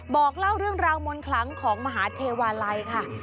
บอกเล่าเรื่องราวมนต์คลังของมหาเทวาลัยค่ะ